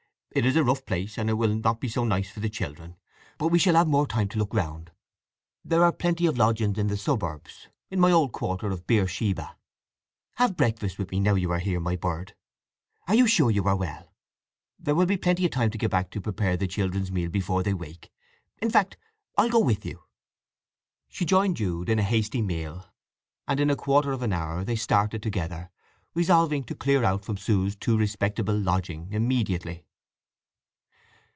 "It is a rough place, and it will not be so nice for the children, but we shall have more time to look round. There are plenty of lodgings in the suburbs—in my old quarter of Beersheba. Have breakfast with me now you are here, my bird. You are sure you are well? There will be plenty of time to get back and prepare the children's meal before they wake. In fact, I'll go with you." She joined Jude in a hasty meal, and in a quarter of an hour they started together, resolving to clear out from Sue's too respectable lodging immediately.